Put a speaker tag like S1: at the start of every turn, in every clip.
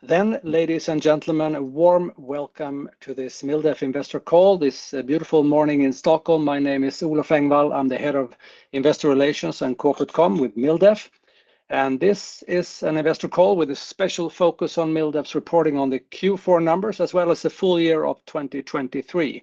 S1: Ladies and gentlemen, a warm welcome to this MilDef investor call, this beautiful morning in Stockholm. My name is Olof Engvall. I'm the head of investor relations and corporate comm with MilDef, and this is an investor call with a special focus on MilDef's reporting on the Q4 numbers, as well as the full year of 2023.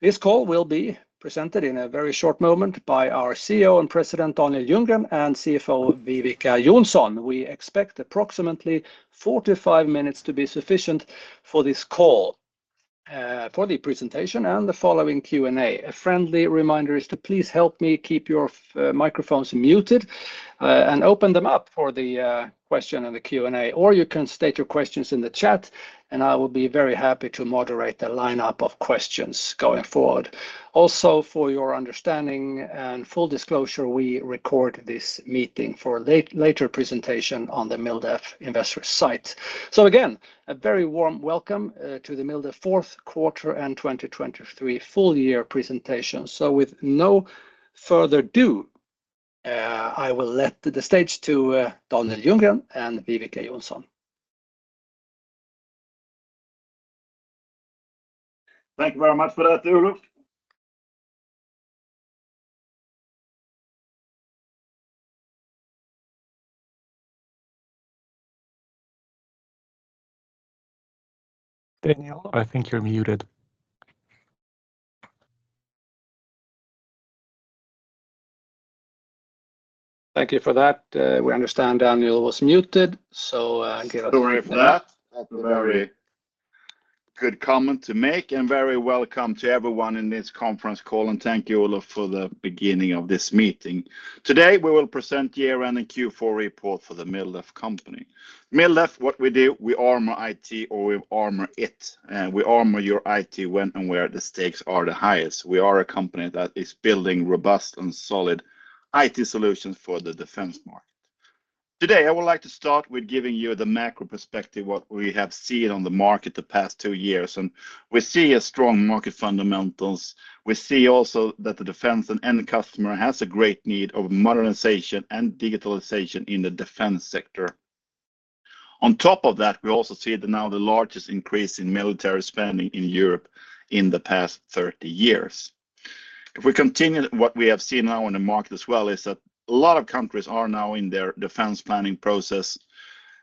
S1: This call will be presented in a very short moment by our CEO and President, Daniel Ljunggren, and CFO, Viveca Jonsson. We expect approximately 45 minutes to be sufficient for this call, for the presentation and the following Q&A. A friendly reminder is to please help me keep your microphones muted, and open them up for the question and the Q&A, or you can state your questions in the chat, and I will be very happy to moderate the lineup of questions going forward. Also, for your understanding and full disclosure, we record this meeting for a later presentation on the MilDef Investor site. So again, a very warm welcome to the MilDef fourth quarter and 2023 full year presentation. So with no further ado, I will let the stage to Daniel Ljunggren and Viveca Jonsson.
S2: Thank you very much for that, Olof.
S3: Daniel, I think you're muted.
S1: Thank you for that. We understand Daniel was muted, so,
S2: Sorry for that. Very good comment to make, and very welcome to everyone in this conference call. Thank you, Olof, for the beginning of this meeting. Today, we will present the year-end and Q4 report for the MilDef company. MilDef, what we do, we armor IT, or we armor it, and we armor your IT when and where the stakes are the highest. We are a company that is building robust and solid IT solutions for the defense market. Today, I would like to start with giving you the macro perspective, what we have seen on the market the past two years, and we see a strong market fundamentals. We see also that the defense and end customer has a great need of modernization and digitalization in the defense sector. On top of that, we also see that now the largest increase in military spending in Europe in the past 30 years. If we continue, what we have seen now in the market as well is that a lot of countries are now in their defense planning process,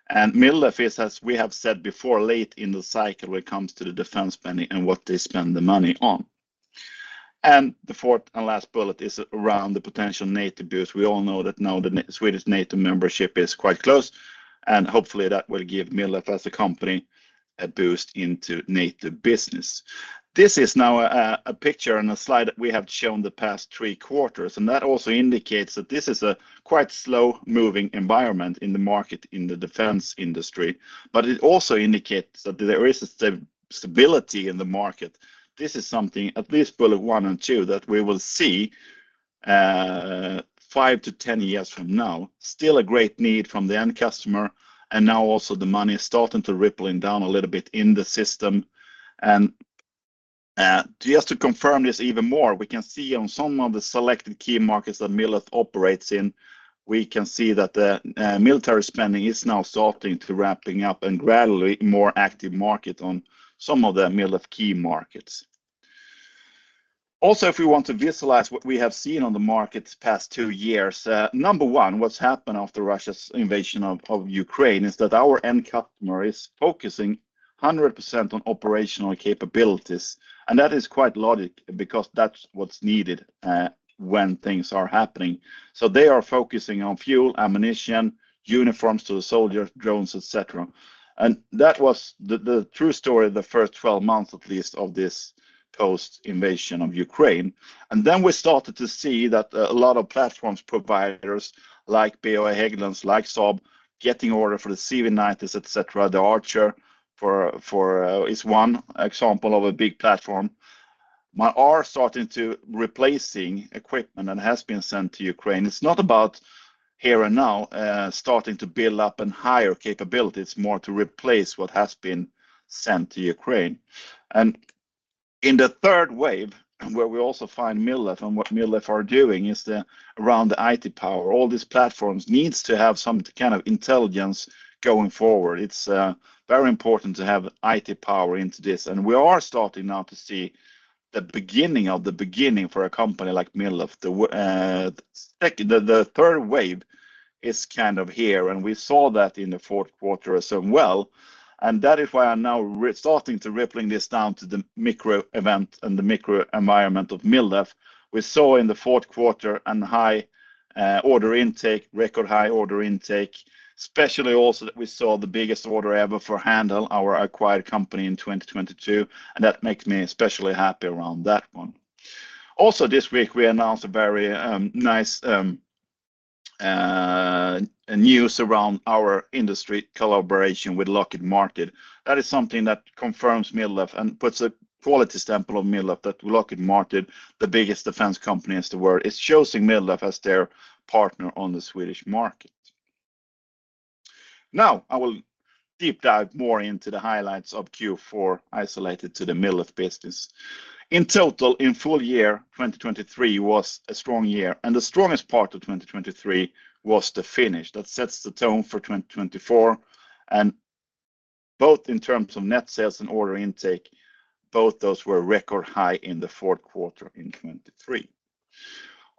S2: and MilDef is, as we have said before, late in the cycle when it comes to the defense spending and what they spend the money on. The fourth and last bullet is around the potential NATO boost. We all know that now the Swedish NATO membership is quite close, and hopefully, that will give MilDef, as a company, a boost into NATO business. This is now a, a picture and a slide that we have shown the past three quarters, and that also indicates that this is a quite slow-moving environment in the market, in the defense industry. It also indicates that there is a stability in the market. This is something, at least bullet one and two, that we will see 5-10 years from now. Still a great need from the end customer, and now also the money is starting to rippling down a little bit in the system. Just to confirm this even more, we can see on some of the selected key markets that MilDef operates in, we can see that the military spending is now starting to wrapping up and gradually more active market on some of the MilDef key markets. Also, if we want to visualize what we have seen on the market the past two years, number one, what's happened after Russia's invasion of Ukraine is that our end customer is focusing 100% on operational capabilities, and that is quite logic because that's what's needed when things are happening. So they are focusing on fuel, ammunition, uniforms to the soldiers, drones, et cetera. And that was the true story, the first 12 months, at least of this post-invasion of Ukraine. And then we started to see that a lot of platforms, providers like BAE Hägglunds, like Saab, getting order for the CV90, etc. The Archer for is one example of a big platform, but are starting to replacing equipment and has been sent to Ukraine. It's not about here and now, starting to build up and higher capability. It's more to replace what has been sent to Ukraine. In the third wave, where we also find MilDef and what MilDef are doing is the, around the IT power. All these platforms needs to have some kind of intelligence going forward. It's very important to have IT power into this, and we are starting now to see the beginning of the beginning for a company like MilDef. The second, the third wave is kind of here, and we saw that in the fourth quarter as well, and that is why I now starting to rippling this down to the micro event and the micro environment of MilDef. We saw in the fourth quarter a high order intake, record high order intake, especially also that we saw the biggest order ever for Handheld, our acquired company in 2022, and that makes me especially happy around that one. Also, this week, we announced a very nice news around our industry collaboration with Lockheed Martin. That is something that confirms MilDef and puts a quality stamp of MilDef, that Lockheed Martin, the biggest defense company in the world, is choosing MilDef as their partner on the Swedish market. Now, I will deep dive more into the highlights of Q4, isolated to the MilDef business. In total, in full year, 2023 was a strong year, and the strongest part of 2023 was the finish. That sets the tone for 2024. Both in terms of net sales and order intake, both those were record high in the fourth quarter in 2023.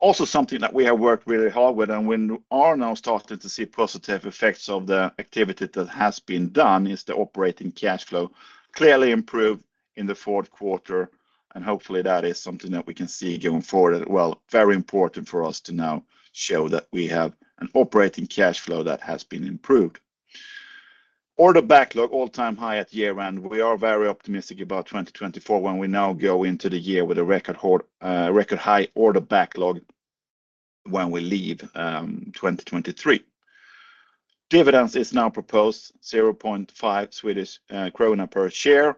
S2: Also, something that we have worked really hard with, and we are now starting to see positive effects of the activity that has been done, is the operating cash flow clearly improved in the fourth quarter, and hopefully, that is something that we can see going forward. Well, very important for us to now show that we have an operating cash flow that has been improved. Order backlog, all-time high at year-end. We are very optimistic about 2024 when we now go into the year with a record hold, record high order backlog when we leave, 2023. Dividends is now proposed 0.5 Swedish krona per share.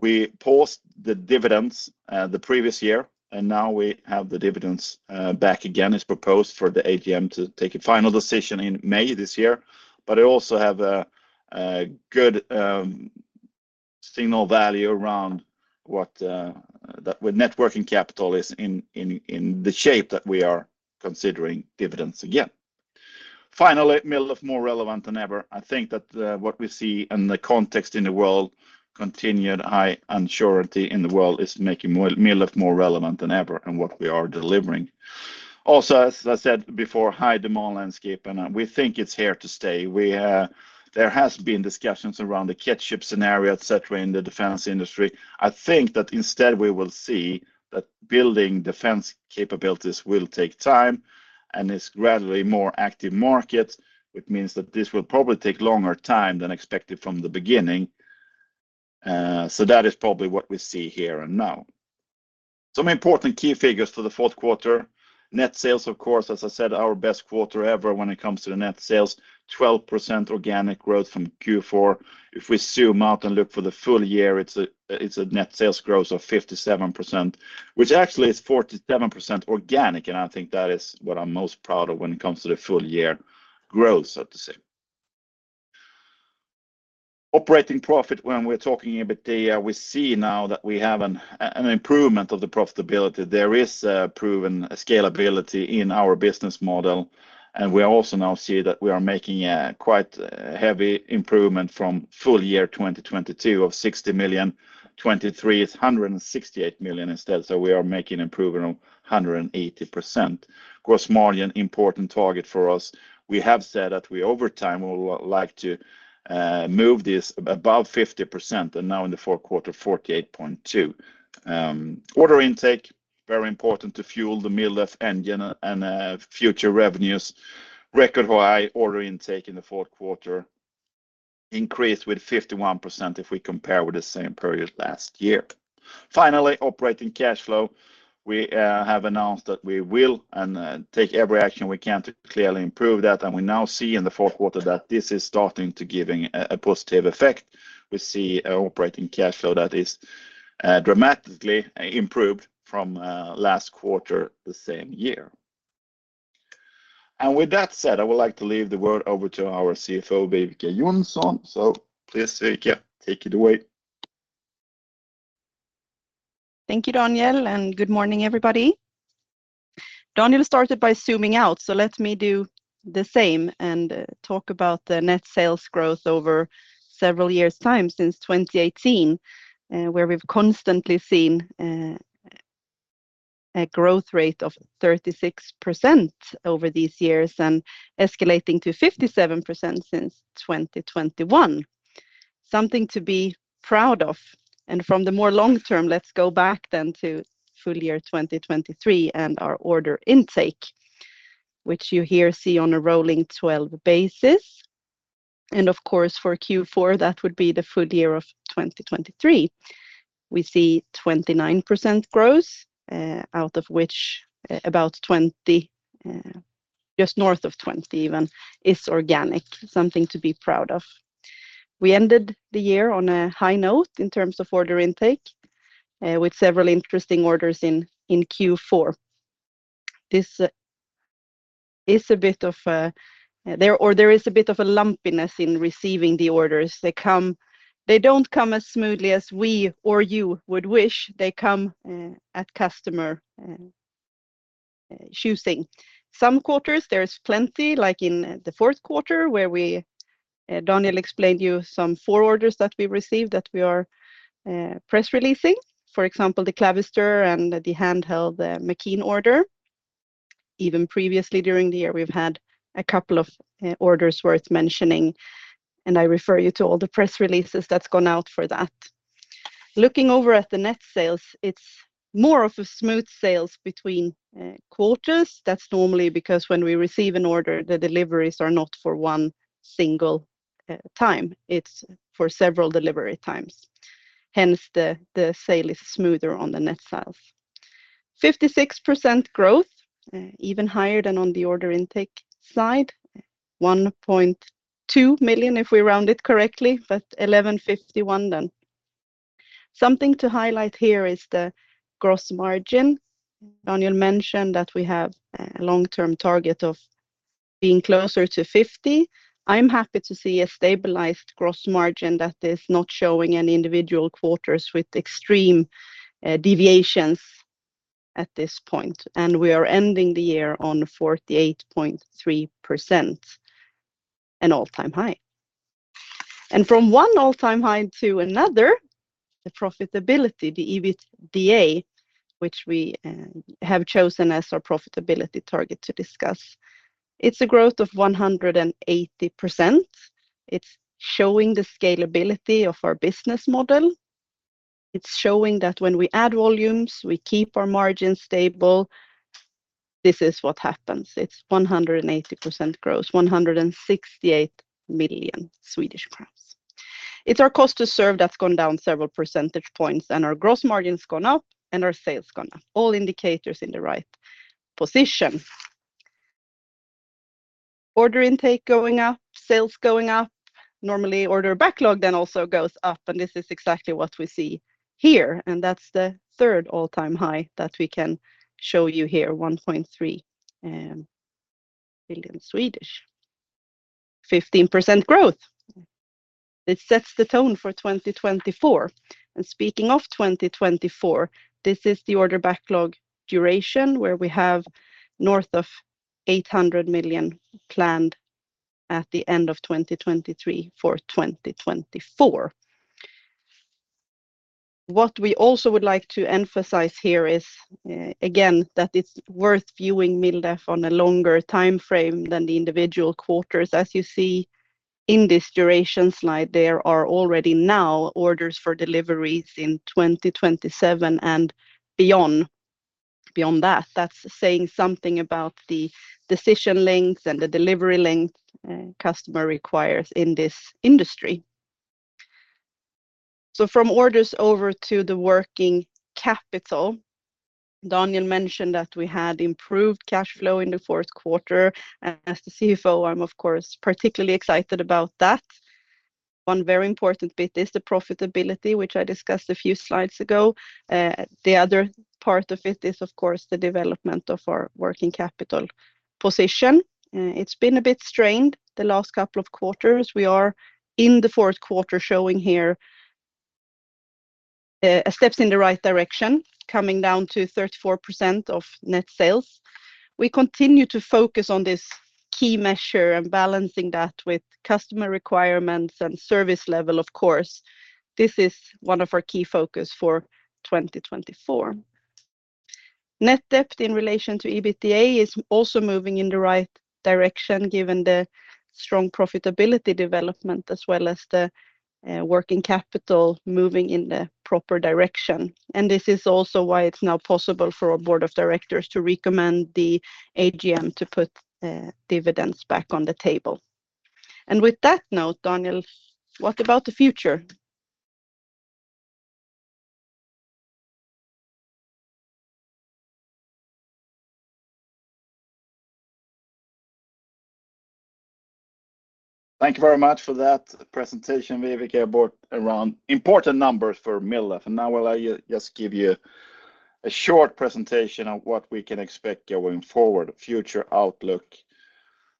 S2: We paused the dividends the previous year, and now we have the dividends back again, as proposed for the AGM to take a final decision in May this year. But I also have a good signal value around what that with net working capital is in the shape that we are considering dividends again. Finally, MilDef more relevant than ever. I think that what we see in the context in the world, continued high uncertainty in the world is making MilDef more relevant than ever and what we are delivering. Also, as I said before, high demand landscape, and we think it's here to stay. We There has been discussions around the catch-up scenario, etc., in the defense industry. I think that instead, we will see that building defense capabilities will take time, and is gradually more active market, which means that this will probably take longer time than expected from the beginning. So that is probably what we see here and now. Some important key figures for the fourth quarter. Net sales, of course, as I said, our best quarter ever when it comes to the net sales, 12% organic growth from Q4. If we zoom out and look for the full year, it's a, it's a net sales growth of 57%, which actually is 47% organic, and I think that is what I'm most proud of when it comes to the full year growth, so to say. Operating profit, when we're talking about the year, we see now that we have an, an improvement of the profitability. There is a proven scalability in our business model, and we also now see that we are making a quite heavy improvement from full year 2022 of 60 million, 2023 is 168 million instead. So we are making improvement on 180%. Gross margin, important target for us. We have said that we, over time, will like to, move this above 50%, and now in the fourth quarter, 48.2. Order intake, very important to fuel the MilDef engine and, future revenues. Record high order intake in the fourth quarter increased with 51% if we compare with the same period last year. Finally, operating cash flow. We have announced that we will and take every action we can to clearly improve that, and we now see in the fourth quarter that this is starting to giving a positive effect. We see operating cash flow that is dramatically improved from last quarter, the same year. And with that said, I would like to leave the word over to our CFO, Viveca Jonsson. So please, Viveca, take it away.
S4: Thank you, Daniel, and good morning, everybody. Daniel started by zooming out, so let me do the same and talk about the net sales growth over several years' time, since 2018, where we've constantly seen a growth rate of 36% over these years and escalating to 57% since 2021. Something to be proud of. From the more long term, let's go back then to full year 2023 and our order intake, which you here see on a rolling twelve basis. Of course, for Q4, that would be the full year of 2023. We see 29% growth, out of which about 20, just north of 20 even, is organic, something to be proud of. We ended the year on a high note in terms of order intake, with several interesting orders in Q4. This is a bit of a, there is a bit of a lumpiness in receiving the orders. They come they don't come as smoothly as we or you would wish. They come, at customer choosing. Some quarters, there's plenty, like in the fourth quarter, where we, Daniel explained you some four orders that we received, that we are, press releasing. For example, the Clavister and the handheld, the McKean order. Even previously, during the year, we've had a couple of orders worth mentioning, and I refer you to all the press releases that's gone out for that. Looking over at the net sales, it's more of a smooth sales between quarters. That's normally because when we receive an order, the deliveries are not for one single time, it's for several delivery times. Hence, the sale is smoother on the net sales. 56% growth, even higher than on the order intake slide. 1.2 million, if we round it correctly, but 1,151 then. Something to highlight here is the gross margin. Daniel mentioned that we have a long-term target of being closer to 50. I'm happy to see a stabilized gross margin that is not showing any individual quarters with extreme deviations at this point, and we are ending the year on 48.3%, an all-time high. And from one all-time high to another, the profitability, the EBITDA, which we have chosen as our profitability target to discuss, it's a growth of 180%. It's showing the scalability of our business model. It's showing that when we add volumes, we keep our margins stable. This is what happens. It's 180% gross, 168 million Swedish crowns. It's our cost to serve that's gone down several percentage points, and our gross margin's gone up, and our sales gone up. All indicators in the right position. Order intake going up, sales going up. Normally, order backlog then also goes up, and this is exactly what we see here, and that's the third all-time high that we can show you here, 1.3 billion. 15% growth, it sets the tone for 2024. And speaking of 2024, this is the order backlog duration, where we have north of 800 million planned at the end of 2023 for 2024. What we also would like to emphasize here is, again, that it's worth viewing MilDef on a longer timeframe than the individual quarters. As you see in this duration slide, there are already now orders for deliveries in 2027 and beyond. Beyond that, that's saying something about the decision length and the delivery length a customer requires in this industry. So from orders over to the working capital, Daniel mentioned that we had improved cash flow in the fourth quarter, and as the CFO, I'm of course, particularly excited about that. One very important bit is the profitability, which I discussed a few slides ago. The other part of it is, of course, the development of our working capital position. It's been a bit strained the last couple of quarters. We are in the fourth quarter, showing here, steps in the right direction, coming down to 34% of net sales. We continue to focus on this key measure and balancing that with customer requirements and service level, of course. This is one of our key focus for 2024. Net debt in relation to EBITDA is also moving in the right direction, given the strong profitability development, as well as the working capital moving in the proper direction. And this is also why it's now possible for our board of directors to recommend the AGM to put dividends back on the table. And with that note, Daniel, what about the future?
S2: Thank you very much for that presentation, Viveca, about our important numbers for MilDef. And now I will just give you a short presentation on what we can expect going forward, future outlook.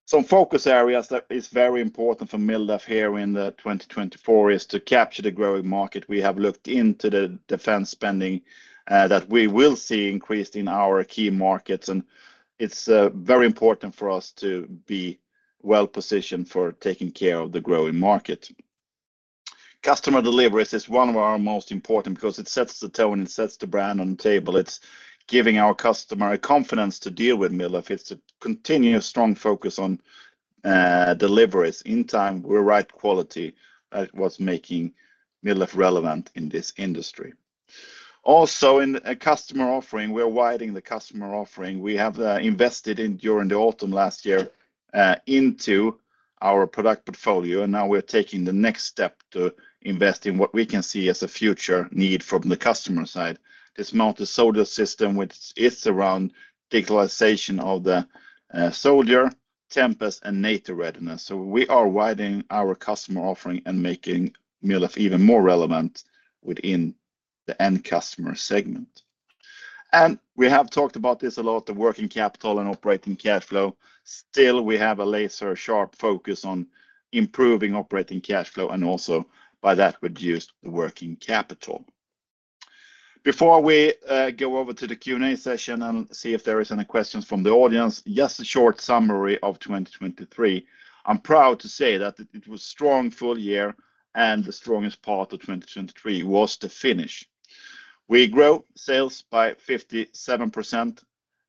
S2: Some focus areas that is very important for MilDef here in the 2024 is to capture the growing market. We have looked into the defense spending that we will see increased in our key markets, and it's very important for us to be well-positioned for taking care of the growing market. Customer deliveries is one of our most important because it sets the tone and sets the brand on the table. It's giving our customer a confidence to deal with MilDef. It's a continuous, strong focus on deliveries. On time, with right quality at what's making MilDef relevant in this industry. Also, in a customer offering, we're widening the customer offering. We have invested in, during the autumn last year, into our product portfolio, and now we're taking the next step to invest in what we can see as a future need from the customer side. This multi-soldier system, which is around digitalization of the soldier, TEMPEST and NATO readiness. So we are widening our customer offering and making MilDef even more relevant within the end customer segment. And we have talked about this a lot, the working capital and operating cash flow. Still, we have a laser-sharp focus on improving operating cash flow and also by that, reduce the working capital. Before we go over to the Q&A session and see if there is any questions from the audience, just a short summary of 2023. I'm proud to say that it was a strong full year, and the strongest part of 2023 was the finish. We grew sales by 57%,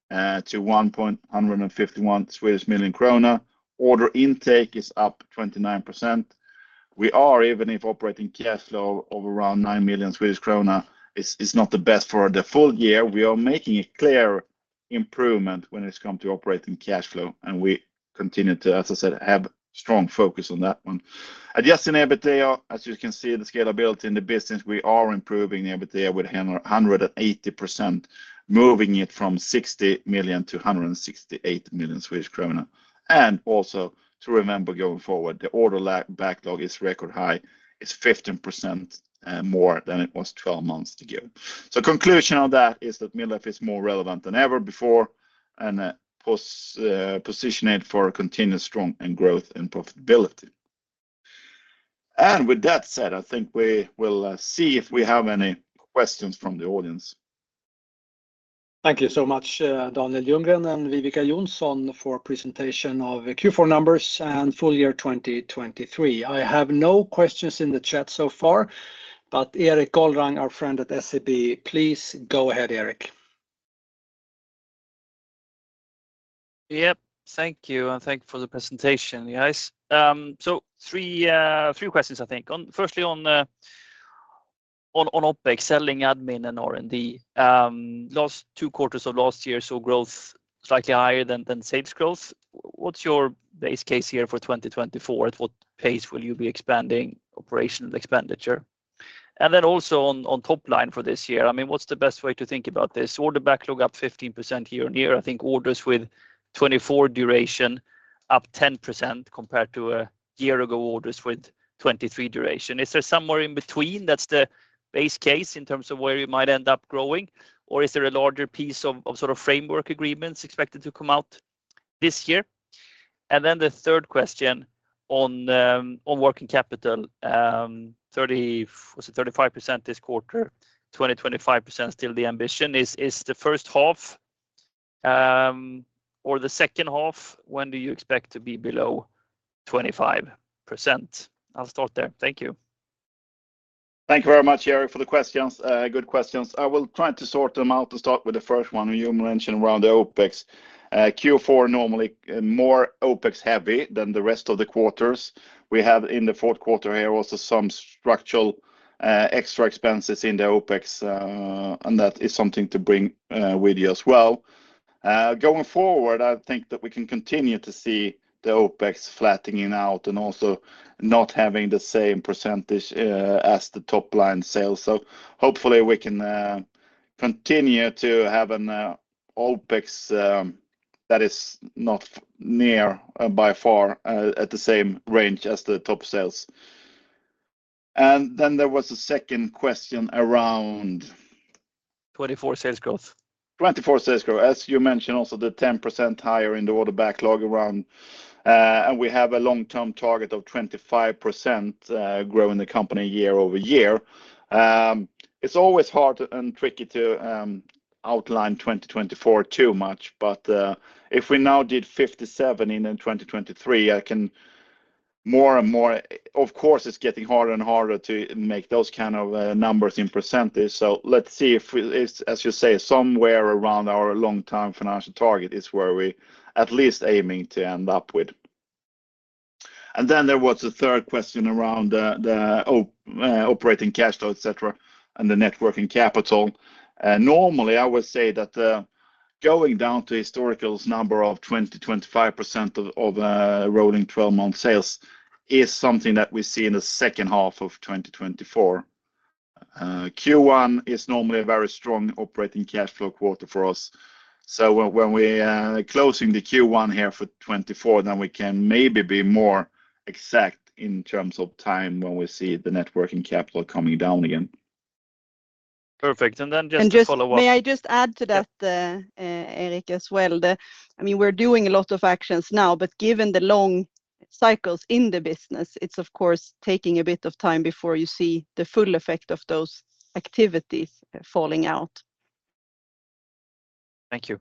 S2: to 151 million krona. Order intake is up 29%. We are, even if operating cash flow of around 9 million Swedish krona is not the best for the full year, making a clear improvement when it comes to operating cash flow, and we continue to, as I said, have strong focus on that one. Adjusted EBITDA, as you can see, the scalability in the business, we are improving the EBITDA with 180%, moving it from 60 million to 168 million Swedish krona. And also to remember going forward, the order backlog is record high. It's 15% more than it was twelve months ago. So conclusion of that is that MilDef is more relevant than ever before and positioned for a continuous strong end growth and profitability. And with that said, I think we will see if we have any questions from the audience.
S1: Thank you so much, Daniel Ljunggren and Viveca Jonsson, for presentation of the Q4 numbers and full year 2023. I have no questions in the chat so far, but Erik Golrang, our friend at SEB, please go ahead, Erik.
S3: Yep, thank you, and thank you for the presentation, guys. So three questions I think. On, firstly, on OpEx, selling, admin, and R&D. Last two quarters of last year, so growth slightly higher than sales growth. What's your base case here for 2024? At what pace will you be expanding operational expenditure? And then also on top line for this year, I mean, what's the best way to think about this? Order backlog up 15% year-over-year. I think orders with 2024 duration up 10% compared to a year ago, orders with 2023 duration. Is there somewhere in between, that's the base case in terms of where you might end up growing? Or is there a larger piece of sort of framework agreements expected to come out this year? Then the third question on working capital, 35, was it 35% this quarter? 20%-25% still the ambition. Is the first half or the second half, when do you expect to be below 25%? I'll start there. Thank you.
S2: Thank you very much, Eric, for the questions. Good questions. I will try to sort them out to start with the first one you mentioned around the OpEx. Q4, normally more OpEx heavy than the rest of the quarters. We have in the fourth quarter here, also some structural, extra expenses in the OpEx, and that is something to bring, with you as well. Going forward, I think that we can continue to see the OpEx flattening out and also not having the same percentage, as the top-line sales. So hopefully we can, continue to have an, OpEx, that is not near by far, at the same range as the top sales. And then there was a second question around 24 sales growth. 24% sales growth. As you mentioned, also the 10% higher in the order backlog around, and we have a long-term target of 25%, growing the company year over year. It's always hard and tricky to outline 2024 too much, but, if we now did 57 in 2023, I can more and more of course, it's getting harder and harder to make those kind of numbers in percentage. So let's see if it's, as you say, somewhere around our long-term financial target is where we at least aiming to end up with. And then there was a third question around the operating cash flow, et cetera, and the net working capital. Normally, I would say that going down to historical number of 20-25% of rolling twelve-month sales is something that we see in the second half of 2024. Q1 is normally a very strong operating cash flow quarter for us. So when we are closing the Q1 here for 2024, then we can maybe be more exact in terms of time when we see the net working capital coming down again.
S3: Perfect. And then just to follow up.
S4: Just, may I just add to that, Erik, as well? I mean, we're doing a lot of actions now, but given the long cycles in the business, it's of course taking a bit of time before you see the full effect of those activities falling out.
S3: Thank you.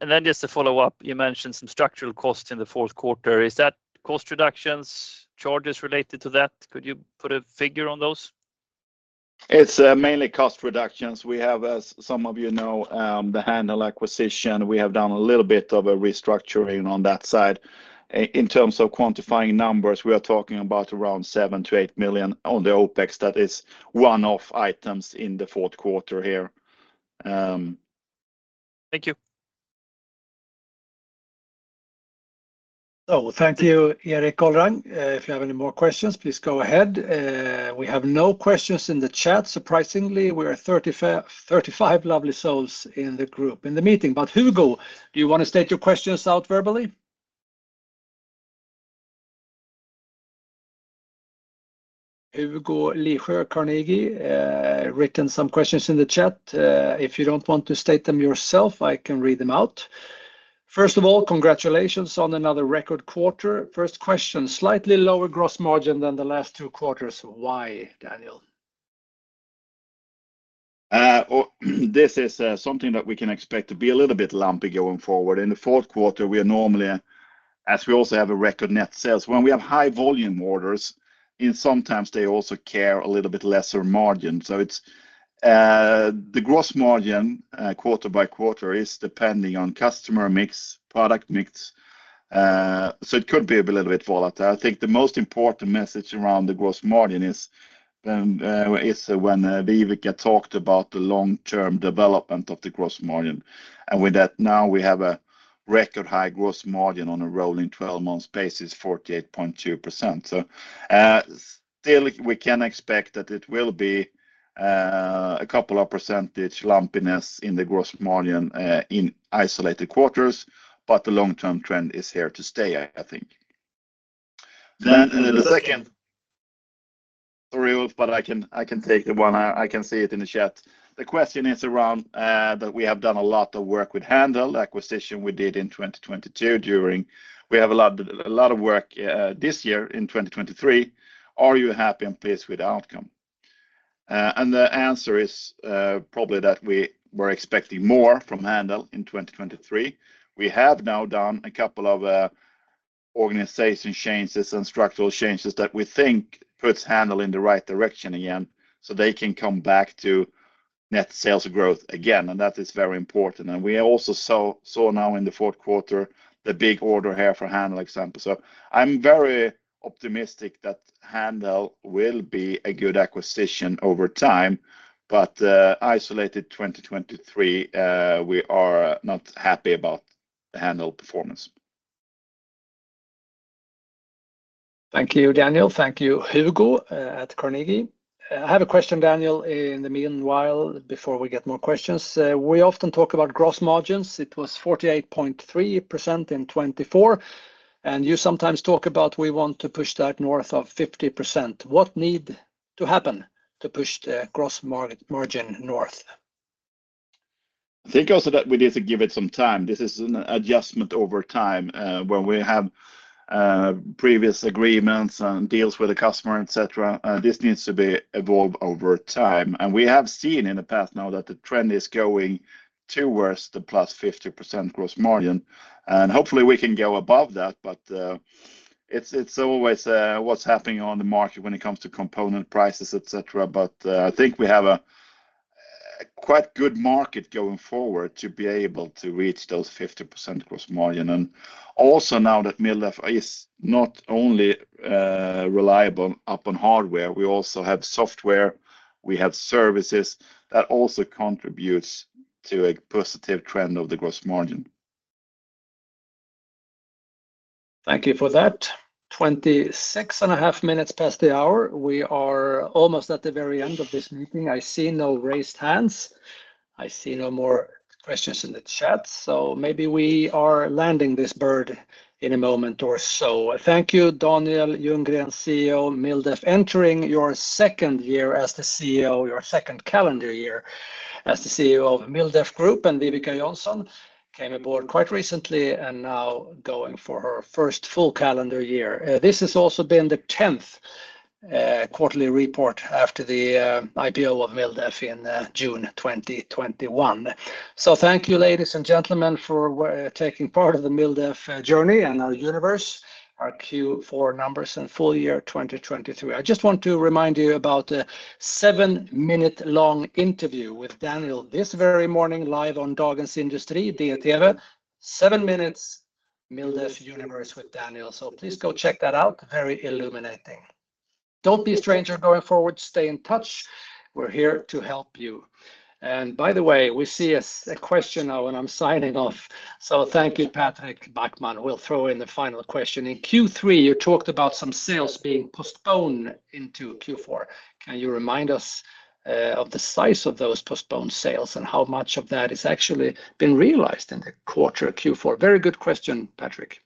S3: And then just to follow up, you mentioned some structural costs in the fourth quarter. Is that cost reductions, charges related to that? Could you put a figure on those?
S2: It's mainly cost reductions. We have, as some of you know, the Handheld acquisition. We have done a little bit of a restructuring on that side. In terms of quantifying numbers, we are talking about around 7 million-8 million on the OpEx. That is one-off items in the fourth quarter here.
S3: Thank you.
S1: Oh, thank you, Erik Golrang. If you have any more questions, please go ahead. We have no questions in the chat. Surprisingly, we are 35 lovely souls in the group, in the meeting. But Hugo, do you want to state your questions out verbally? Hugo Ljungsjö, Carnegie, written some questions in the chat. If you don't want to state them yourself, I can read them out. First of all, congratulations on another record quarter. First question, slightly lower gross margin than the last two quarters. Why, Daniel?
S2: This is something that we can expect to be a little bit lumpy going forward. In the fourth quarter, we are normally, as we also have a record net sales, when we have high volume orders, in sometimes they also carry a little bit lesser margin. So it's the gross margin, quarter by quarter is depending on customer mix, product mix, so it could be a little bit volatile. I think the most important message around the gross margin is is when Viveca talked about the long-term development of the gross margin. And with that, now we have a record high gross margin on a rolling twelve-month basis, 48.2%. So, still, we can expect that it will be a couple of percentage lumpiness in the gross margin in isolated quarters, but the long-term trend is here to stay, I think. Sorry, Ulf, but I can take the one. I can see it in the chat. The question is around that we have done a lot of work with Handheld, the acquisition we did in 2022 during. We have a lot of work this year in 2023. Are you happy and pleased with the outcome? And the answer is probably that we were expecting more from Handheld in 2023. We have now done a couple of organization changes and structural changes that we think puts Handheld in the right direction again, so they can come back to net sales growth again, and that is very important. We also saw now in the fourth quarter the big order here for Handheld, example. So I'm very optimistic that Handheld will be a good acquisition over time, but isolated 2023, we are not happy about the Handheld performance.
S1: Thank you, Daniel. Thank you, Hugo Ljungsjö at Carnegie. I have a question, Daniel, in the meanwhile, before we get more questions. We often talk about gross margins. It was 48.3% in 2024, and you sometimes talk about we want to push that north of 50%. What need to happen to push the gross margin north?
S2: I think also that we need to give it some time. This is an adjustment over time, where we have previous agreements and deals with the customer, etc. This needs to be evolved over time. And we have seen in the past now that the trend is going towards the plus 50% gross margin, and hopefully we can go above that. But it's always what's happening on the market when it comes to component prices, et cetera. But I think we have a quite good market going forward to be able to reach those 50% gross margin. And also now that MilDef is not only reliable upon hardware, we also have software, we have services, that also contributes to a positive trend of the gross margin.
S1: Thank you for that. 26.5 minutes past the hour. We are almost at the very end of this meeting. I see no raised hands. I see no more questions in the chat, so maybe we are landing this bird in a moment or so. Thank you, Daniel Ljunggren, CEO, MilDef, entering your second year as the CEO, your second calendar year as the CEO of MilDef Group. And Viveca Jonsson came aboard quite recently and now going for her first full calendar year. This has also been the 10th quarterly report after the IPO of MilDef in June 2021. So thank you, ladies and gentlemen, for taking part of the MilDef journey and our universe, our Q4 numbers and full year 2023. I just want to remind you about a seven-minute-long interview with Daniel this very morning, live on Dagens Industri, DI-TV. Seven minutes MilDef universe with Daniel, so please go check that out. Very illuminating. Don't be a stranger going forward. Stay in touch. We're here to help you. And by the way, we see a question now, and I'm signing off, so thank you, Patrik Backman. We'll throw in the final question. "In Q3, you talked about some sales being postponed into Q4. Can you remind us of the size of those postponed sales and how much of that has actually been realized in the quarter, Q4?" Very good question, Patrik.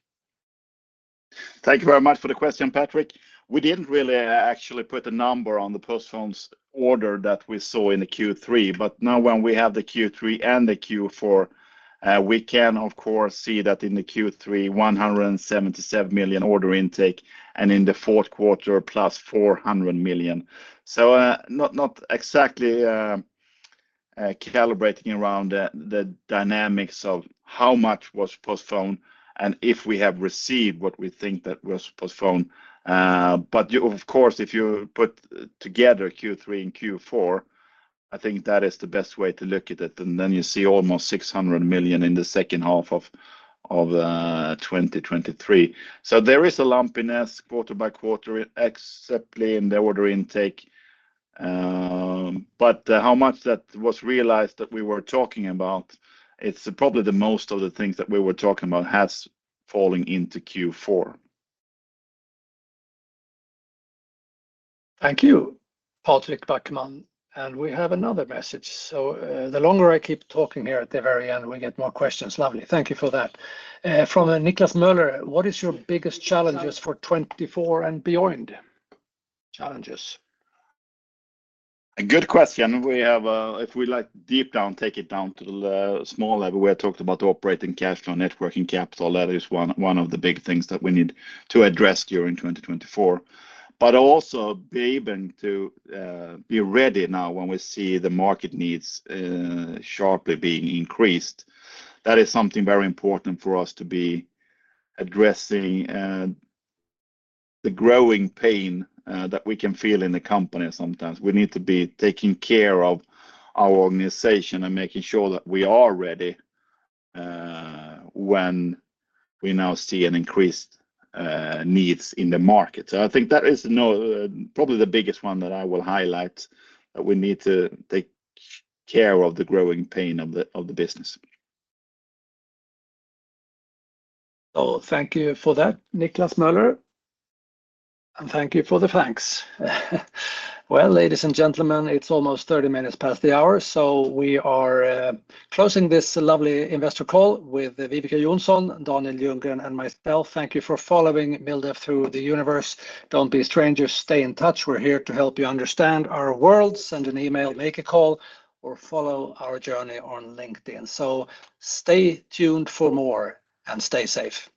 S2: Thank you very much for the question, Patrik. We didn't really actually put a number on the postponed order that we saw in the Q3, but now when we have the Q3 and the Q4, we can of course see that in the Q3, 177 million order intake, and in the fourth quarter, plus 400 million. So, not, not exactly, calibrating around the, the dynamics of how much was postponed and if we have received what we think that was postponed. But you, of course, if you put together Q3 and Q4, I think that is the best way to look at it, and then you see almost 600 million in the second half of 2023. So there is a lumpiness quarter by quarter, exactly in the order intake. But how much that was realized that we were talking about, it's probably the most of the things that we were talking about has falling into Q4.
S1: Thank you, Patrik Backman. And we have another message. So, the longer I keep talking here at the very end, we get more questions. Lovely. Thank you for that. From Niklas Möller: "What is your biggest challenges for 2024 and beyond?" Challenges.
S2: A good question. We have, if we, like, deep down, take it down to the small level, we have talked about operating cash flow, net working capital. That is one of the big things that we need to address during 2024. But also being able to be ready now when we see the market needs sharply being increased. That is something very important for us to be addressing. The growing pain that we can feel in the company sometimes, we need to be taking care of our organization and making sure that we are ready when we now see an increased needs in the market. So I think that is, you know, probably the biggest one that I will highlight, that we need to take care of the growing pain of the business.
S1: So thank you for that, Niklas Möller, and thank you for the thanks. Well, ladies and gentlemen, it's almost 30 minutes past the hour, so we are closing this lovely investor call with Viveca Jonsson, Daniel Ljunggren, and myself. Thank you for following MilDef through the universe. Don't be strangers. Stay in touch. We're here to help you understand our world. Send an email, make a call, or follow our journey on LinkedIn. So stay tuned for more, and stay safe. Thank you.